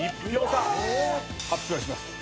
発表します。